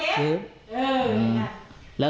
เจ็บตาบอกว่าเจ็บ